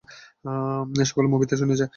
সকলেই মুভিতে শুনেছে।